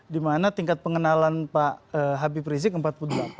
di mana tingkat pengenalan pak habib rizieq empat puluh delapan